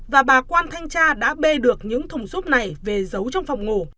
và bà quan thanh tra đã bê được những thùng xốp này về giấu trong phòng ngủ